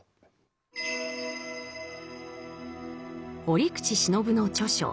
折口信夫の著書